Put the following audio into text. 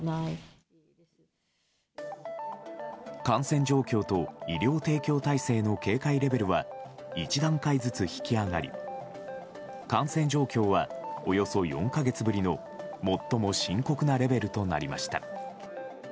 感染状況と医療提供体制の警戒レベルは１段階ずつ引き上がり感染状況は、およそ４か月ぶりの最も深刻なレベルとなりました。